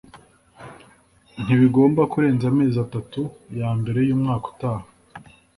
ntibigomba kurenza amezi atatu ya mbere y’umwaka utaha